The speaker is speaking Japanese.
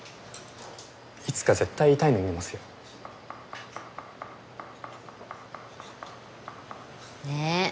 いつか絶対痛い目見ますよねぇ